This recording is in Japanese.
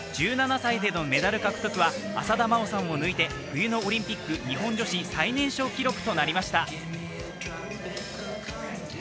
１７歳でのメダル獲得は浅田真央さんを抜いて冬のオリンピック日本女子最年少記録となりました。